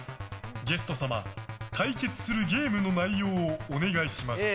ゲスト様、対決するゲームの内容をお願いします。